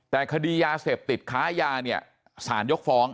แต่คดียาเสพติดค้ายาเนี่ยสารยกฟ้อง